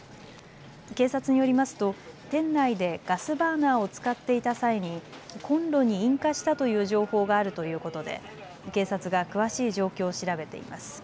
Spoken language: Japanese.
警察によりますと店内でガスバーナーを使っていた際にコンロに引火したという情報があるということで警察が詳しい状況を調べています。